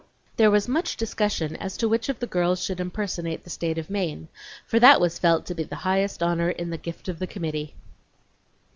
There was much discussion as to which of the girls should impersonate the State of Maine, for that was felt to be the highest honor in the gift of the committee.